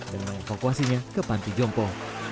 dengan evakuasinya ke panti jompo